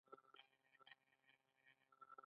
له بل پلوه د دوی کار خصوصي بڼه لري